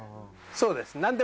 そうです。